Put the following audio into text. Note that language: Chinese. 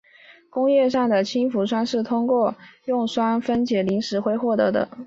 工业上的氢氟酸是通过用酸分解磷灰石获得的。